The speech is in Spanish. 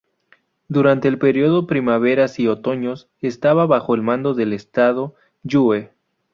Durante el periodo Primaveras y Otoños estaba bajo el mando del estado Yue.